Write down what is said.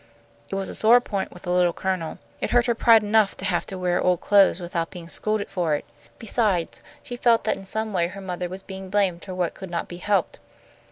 It was a sore point with the Little Colonel. It hurt her pride enough to have to wear old clothes without being scolded for it. Besides, she felt that in some way her mother was being blamed for what could not be helped.